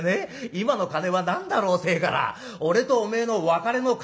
『今の鐘は何だろう』てえから『俺とお前の別れの鐘だろう』」